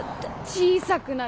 小さくなる。